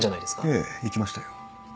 ええ行きましたよ。